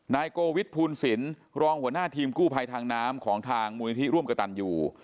นายโกวิทภูนศิลป์รองหัวหน้าทีมกู้ภัยทางน้ำของทางมูลนิธิร่วมกระตันอยู่